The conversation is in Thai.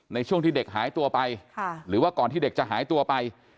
ในช่วงที่เด็กหายตัวไปหรือว่าก่อนที่เด็กจะหายตัวไป